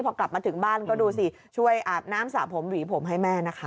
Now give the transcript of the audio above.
พอกลับมาถึงบ้านก็ดูสิช่วยอาบน้ำสระผมหวีผมให้แม่นะคะ